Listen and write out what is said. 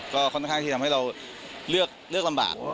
ก็ค่อนข้างที่ทำให้เราเลือกลำบาก